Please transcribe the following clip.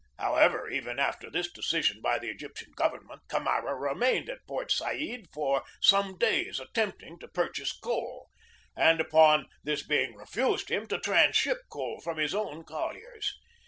However, even after this decision by the Egyp tian government, Camara remained at Port Said for some days attempting to purchase coal, and, upon this being refused him, to transship coal from his own colliers.